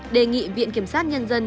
đề nghị viện kiểm sát nhân dân